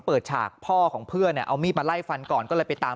ฉากพ่อของเพื่อนเอามีดมาไล่ฟันก่อนก็เลยไปตาม